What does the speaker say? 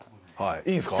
いいんですか？